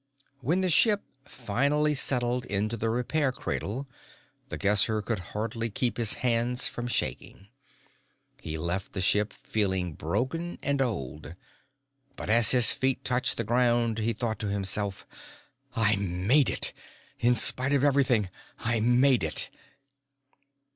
When the ship finally settled into the repair cradle, The Guesser could hardly keep his hands from shaking. He left the ship feeling broken and old. But as his feet touched the ground, he thought to himself: _I made it! In spite of everything, I made it!